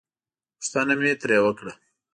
پوښتنه مې ترې وکړه.